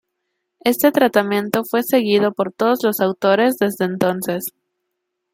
Este tratamiento fue seguido por todos los autores desde entonces.